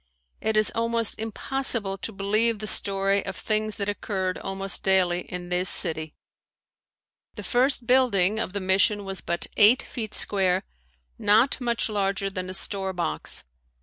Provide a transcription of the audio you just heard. It is almost impossible to believe the story of things that occurred almost daily in this city. The first building of the mission was but eight feet square, not much larger than a storebox.